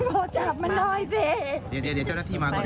พ่อจับมาน่อยสิเดี๋ยวเดี๋ยวเดี๋ยวเจ้าหน้าที่มาก่อนแม่